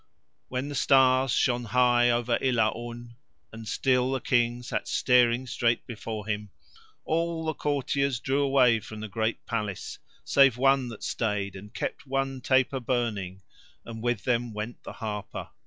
When the stars shone high over Ilaun and still the King sat staring straight before him, all the courtiers drew away from the great palace, save one that stayed and kept one taper burning, and with them went the harper.